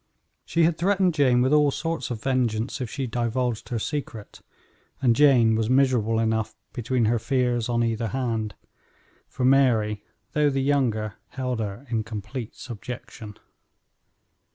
She had threatened Jane with all sorts of vengeance if she divulged her secret, and Jane was miserable enough between her fears on either hand; for Mary, though the younger, held her in complete subjection.